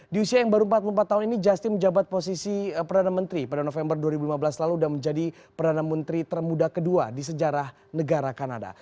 di usia yang baru empat puluh empat tahun ini justin menjabat posisi perdana menteri pada november dua ribu lima belas lalu dan menjadi perdana menteri termuda kedua di sejarah negara kanada